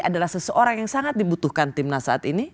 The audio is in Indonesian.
atau seseorang yang sangat dibutuhkan tim nas saat ini